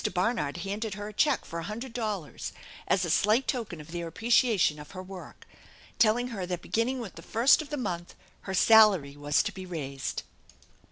Barnard handed her a check for a hundred dollars as a slight token of their appre ciation of her work, telling her that beginning with the first of the month her salary was to be raised.